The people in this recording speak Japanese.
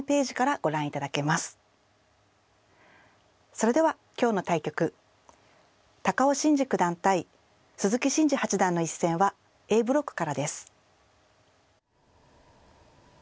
それでは今日の対局高尾紳路九段対鈴木伸二八段の一戦はＡブロックからです。